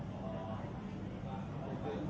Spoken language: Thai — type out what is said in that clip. ขอบคุณครับ